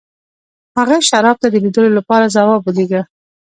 هغه شواب ته د لیدلو لپاره ځواب ولېږه